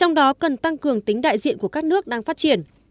trong đó cần tăng cường tính đại diện của các nước đang phát triển